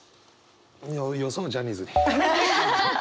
よそうジャニーズに。